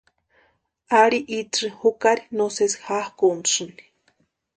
Ari itsï jukari no sési jákʼuntisïni.